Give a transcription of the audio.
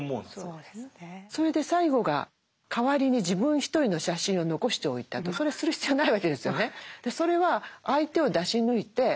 それで最後が代わりに自分一人の写真を残しておいたとそれする必要ないわけですよね。